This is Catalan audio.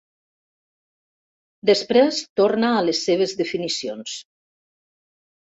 Després torna a les seves definicions.